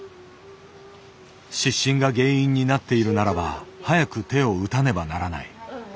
湿疹が原因になっているならば早く手を打たねばならない。